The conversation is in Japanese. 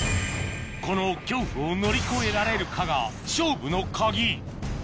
この恐怖を乗り越えられるかが勝負の鍵